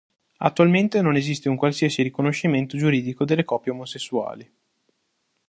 Attualmente non esiste un qualsiasi riconoscimento giuridico delle coppie omosessuali.